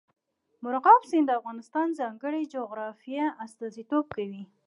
مورغاب سیند د افغانستان د ځانګړي جغرافیه استازیتوب کوي.